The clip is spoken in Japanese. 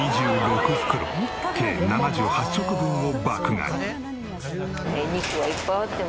袋計７８食分を爆買い。